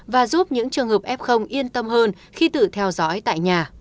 và giúp những trường hợp f yên tâm hơn khi tự theo dõi tại nhà